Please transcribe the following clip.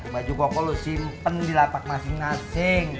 baju koko lu simpen dilapak masing masing